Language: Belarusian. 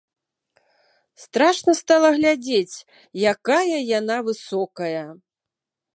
Страшна стала глядзець, якая яна высокая!